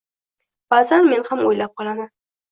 Ba’zan men ham o‘ylab qolaman.